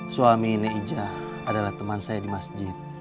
suami nek ijah adalah teman saya di masjid